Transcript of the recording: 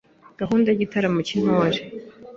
gahunda y’Igitaramo cy’Intore;